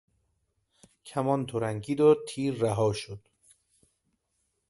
کمان ترنگید و تیر رها شد.